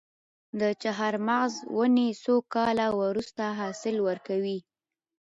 د چهارمغز ونې څو کاله وروسته حاصل ورکوي؟